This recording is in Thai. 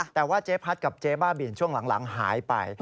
แต่ว่าเจ๊พัดกับเจ๊บ้าบินช่วงหลังหายไป